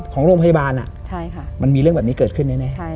ของโรงพยาบาลมันมีเรื่องแบบนี้เกิดขึ้นแน่